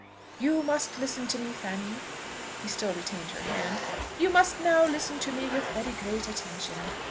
"You must listen to me Fanny," (he still retained her hand,) "you must now listen to me with very great attention.